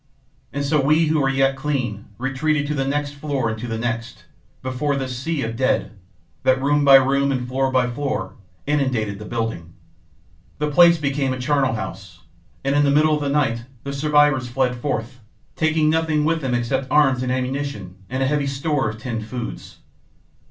And so we who were yet clean retreated to the next floor and to the next, before this sea of the dead, that, room by room and floor by floor, inundated the building. "The place became a charnel house, and in the middle of the night the survivors fled forth, taking nothing with them except arms and ammunition and a heavy store of tinned foods.